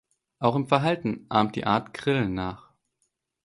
Auch im Verhalten ahmt die Art Grillen nach.